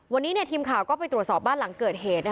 วันนี้ทีมข่าวก็ไปตรวจสอบบ้านหลังเกิดเหตุ